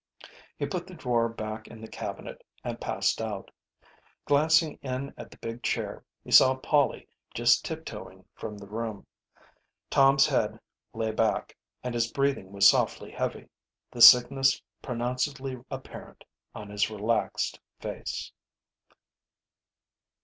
He put the drawer back in the cabinet and passed out. Glancing in at the big chair he saw Polly just tiptoeing from the room. Tom's head lay back, and his breathing was softly heavy, the sickness pronouncedly apparent on his relaxed face.